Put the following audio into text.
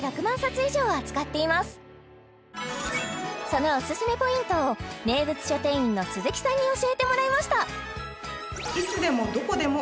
そのオススメポイントを名物書店員のすず木さんに教えてもらいました